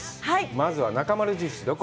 まずは「なかまる印」、どこ？